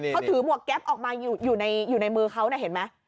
เขาถือหมวกแก๊ปออกมาอยู่ในมือเขานะเห็นไหม